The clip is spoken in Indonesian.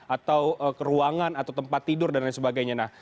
atau ke ruangan atau tempat tidur dan lain sebagainya